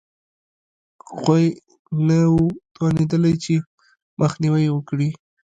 غوی نه وو توانېدلي چې مخنیوی یې وکړي